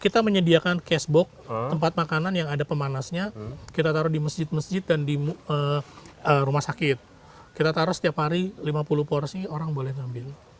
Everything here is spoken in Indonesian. kita menyediakan cashbox tempat makanan yang ada pemanasnya kita taruh di masjid masjid dan di rumah sakit kita taruh setiap hari lima puluh porsi orang boleh ambil